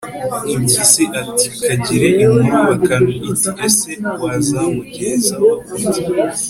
impyisi ati 'kagire inkuru bakame. iti 'ese wazamungezaho ute